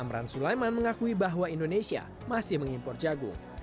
amran sulaiman mengakui bahwa indonesia masih mengimpor jagung